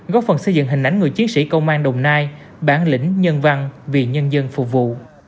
góp phần xây dựng hình ảnh người chiến sĩ công an đồng nai bản lĩnh nhân văn vì nhân dân phục vụ